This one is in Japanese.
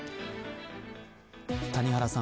谷原さん